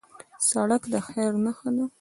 سړک د خیر نښه ده.